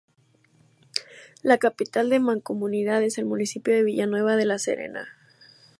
La capital de la mancomunidad es el municipio de Villanueva de la Serena.